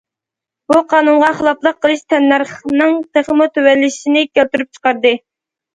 بۇ قانۇنغا خىلاپلىق قىلىش تەننەرخنىڭ تېخىمۇ تۆۋەنلىشىنى كەلتۈرۈپ چىقاردى.